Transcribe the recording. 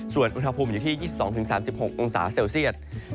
ส่วนอุณหภูมิอยู่ที่๒๒๓๖องศาเซลเซียต